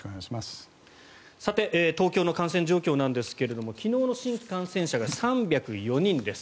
東京の感染状況なんですが昨日の新規感染者が３０４人です。